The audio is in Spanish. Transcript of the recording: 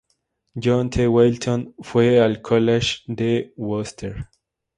John T. Walton fue al College de Wooster.